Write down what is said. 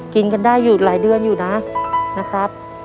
กินกันได้อยู่หลายเดือนอยู่นะนะครับ